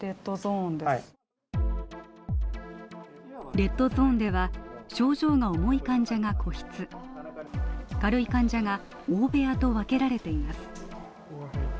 レッドゾーンでは症状の重い患者が個室軽い患者が大部屋と分けられています。